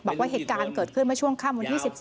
บอกว่าเหตุการณ์เกิดขึ้นเมื่อช่วงค่ำวันที่๑๔